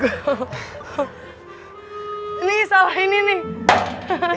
ini salah ini nih